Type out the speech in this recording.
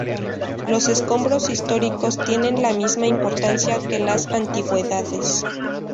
Los escombros históricos tienen la misma importancia que las antigüedades.